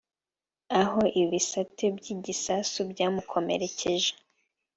aho ibisate by’igisasu byamukomerekeje